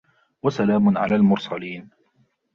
وسلام على المرسلين